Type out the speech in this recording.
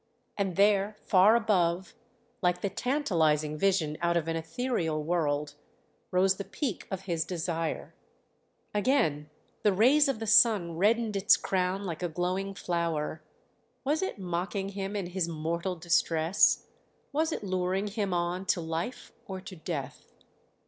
And there far above, like the tantalizing vision out of an ethereal world, rose the peak of his desire. Again the rays of the sun reddened its crown like a glowing flower. Was it mocking him in his mortal distress? Was it luring him on to life or to death?